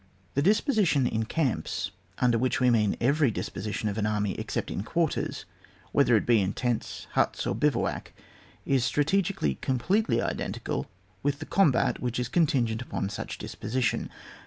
The disposition in camps, under which we mean every disposition of an army except in quarters, whether it be in tents, huts, or bivouac, is strategically completely identical with the combat which is contingent upon such disposition.